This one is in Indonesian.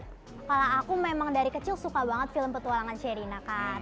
kalau aku memang dari kecil suka banget film petualangan sherina kan